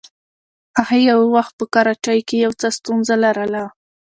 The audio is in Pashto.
هغې یو وخت په کراچۍ کې څه ستونزه لرله.